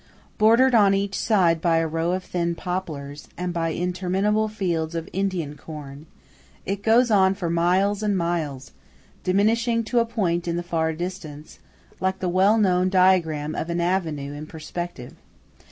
Bordered on each side by a row of thin poplars, and by interminable fields of Indian corn, it goes on for miles and miles, diminishing to a point in the far distance, like the well known diagram of an avenue in perspective.